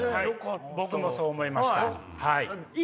僕もそう思いました。